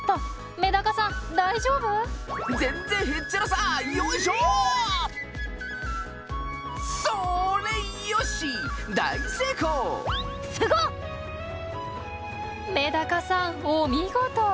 メダカさんお見事！